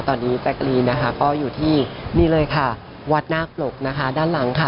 ตอนนี้แจ๊กรีนนะคะก็อยู่ที่นี่เลยค่ะวัดนาคปรกนะคะด้านหลังค่ะ